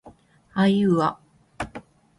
あいうあ